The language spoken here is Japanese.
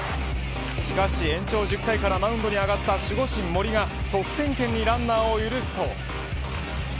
しかし延長１０回からマウンドに上がった守護神、森が得点圏にランナーを許すと。